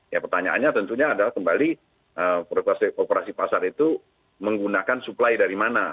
ya pertanyaannya tentunya adalah kembali operasi pasar itu menggunakan suplai dari mana